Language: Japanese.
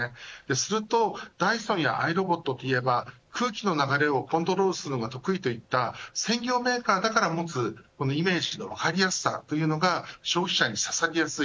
するとダイソンやアイロボットといえば空気の流れをコントロールするのが得意といった専業メーカーがだから持つイメージの分かりやすさというのが消費者に刺さりやすい。